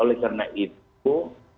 oleh karena itu